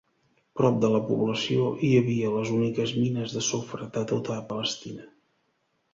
Prop de la població, hi havia les úniques mines de sofre de tota Palestina.